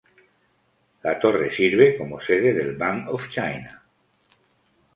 La Torre sirve como sede del Bank of China.